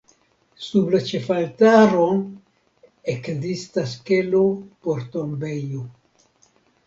Sub la ĉefaltaro ekzistas kelo por tombejo.